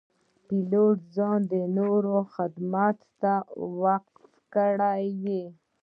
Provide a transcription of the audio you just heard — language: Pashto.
پیلوټ ځان د نورو خدمت ته وقف کړی وي.